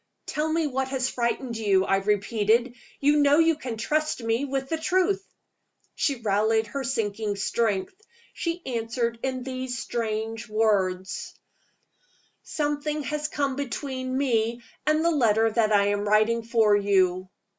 "Tell me what has frightened you?" I repeated. "You know you may trust me with the truth." She rallied her sinking strength. She answered in these strange words: "Something has come between me and the letter that I am writing for you."